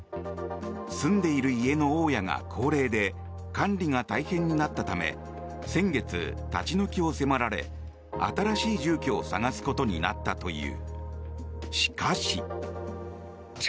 住んでいる家の大家が高齢で管理が大変になったため先月、立ち退きを迫られ新しい住居を探すことになったという。